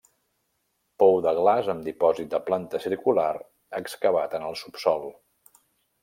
Pou de glaç amb dipòsit de planta circular excavat en el subsòl.